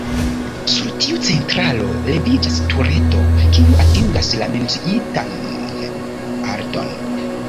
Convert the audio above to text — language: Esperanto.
Sur tiu centralo leviĝas tureto, kiu atingas la menciitan alton.